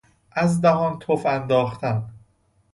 از دهان تف انداختن